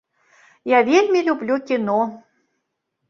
Я вельмі люблю кіно.